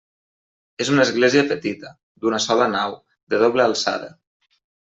És una església petita, d'una sola nau, de doble alçada.